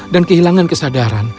dan kehilangan kesadaran